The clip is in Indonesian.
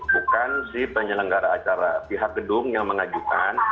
bukan si penyelenggara acara pihak gedung yang mengajukan